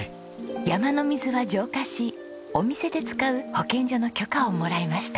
山の水は浄化しお店で使う保健所の許可をもらいました。